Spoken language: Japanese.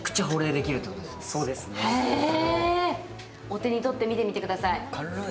お手に取って見てみてください。